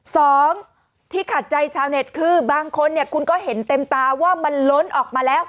สองที่ขัดใจชาวเน็ตคือบางคนเนี่ยคุณก็เห็นเต็มตาว่ามันล้นออกมาแล้ว